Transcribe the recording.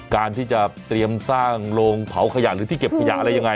การที่จะเตรียมสร้างโรงเผาขยะหรือที่เก็บขยะอะไรยังไง